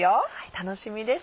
楽しみです